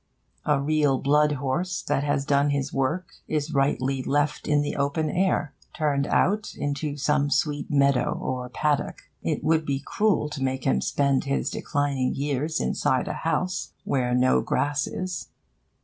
A real blood horse that has done his work is rightly left in the open air turned out into some sweet meadow or paddock. It would be cruel to make him spend his declining years inside a house, where no grass is.